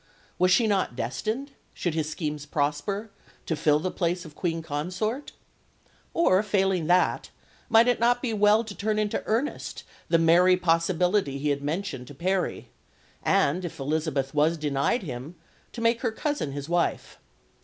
Was she not destined, should his schemes prosper, to fill the place of Queen Consort? or, failing that, might it not be well to turn into earnest the "merry" possibility he had mentioned to Parry, and, if Elizabeth was denied him, to make her cousin his wife?